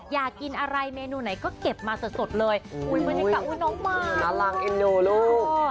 อยากกินอะไรเมนูไหนก็เก็บมาสดสดเลยอุ้ยมันให้กับอุ้ยน้องมาน่ารักอินดูลูก